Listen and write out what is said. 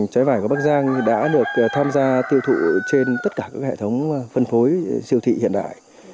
trái vải của bắc giang đã được tham gia tiêu thụ trên tất cả các hệ thống phân phối siêu thị hiện đại